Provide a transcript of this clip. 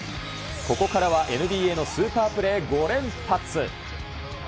ここからはＮＢＡのスーパープレー５連発。